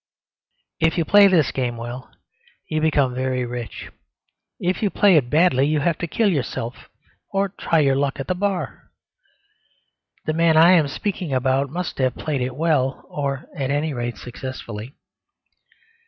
If you play this game well, you become very rich; if you play it badly you have to kill yourself or try your luck at the Bar. The man I am speaking about must have played it well, or at any rate successfully.